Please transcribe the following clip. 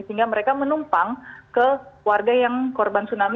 sehingga mereka menumpang ke warga yang korban tsunami